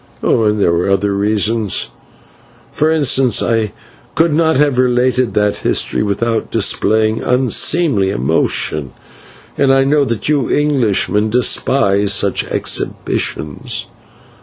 "Also there were other reasons: for instance, I could not have related that history without displaying unseemly emotion, and I know that you Englishmen despise such exhibitions.